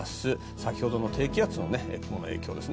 先ほどの低気圧の雲の影響ですね